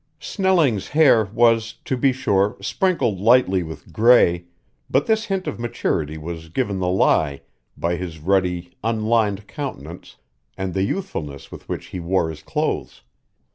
Snelling's hair was, to be sure, sprinkled lightly with gray, but this hint of maturity was given the lie by his ruddy, unlined countenance and the youthfulness with which he wore his clothes.